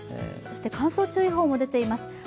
そして乾燥注意報も出ています。